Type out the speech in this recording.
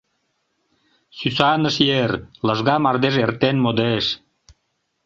Сӱсаныш ер — Лыжга мардеж Эртен модеш.